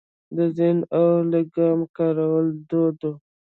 د زین او لګام کارول دود و